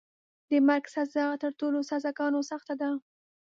د مرګ سزا تر ټولو سزاګانو سخته ده.